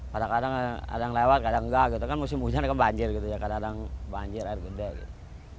kadang kadang ada yang lewat kadang enggak gitu kan musim hujan kan banjir gitu ya kadang kadang banjir air gede gitu